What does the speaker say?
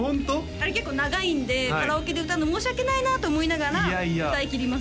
あれ結構長いんでカラオケで歌うの申し訳ないなと思いながら歌いきります